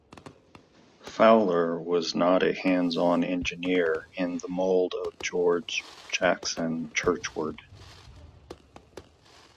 Fowler was not a hands-on engineer in the mould of George Jackson Churchward.